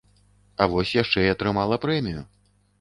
А вось яшчэ і атрымала прэмію.